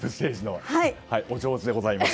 お上手でございます。